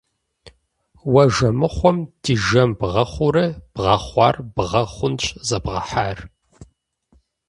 Уэ жэмыхъуэм ди жэм бгъэхъуурэ, бгъэхъуар бгъэ хъунщ зэбгъэхьар!